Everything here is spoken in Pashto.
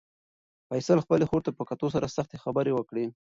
فیصل خپلې خور ته په کتو سره سختې خبرې وکړې.